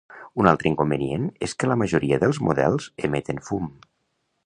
Un altre inconvenient és que la majoria dels models emeten fum.